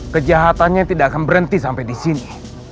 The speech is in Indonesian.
kejahatannya tidak akan berhenti sampai disini